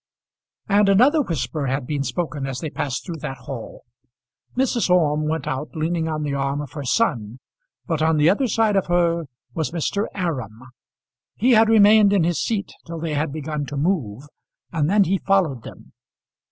And another whisper had been spoken as they passed through that hall. Mrs. Orme went out leaning on the arm of her son, but on the other side of her was Mr. Aram. He had remained in his seat till they had begun to move, and then he followed them.